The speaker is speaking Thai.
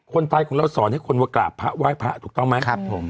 คนภัยของเราสอนให้คนวักกราบพระว่ายพระถูกต้องไหม